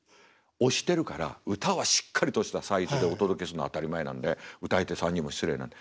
押してるから歌はしっかりとしたサイズでお届けするの当たり前なんで歌い手さんにも失礼なんで。